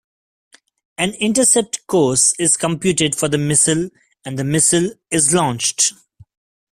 An intercept course is computed for the missile, and the missile is launched.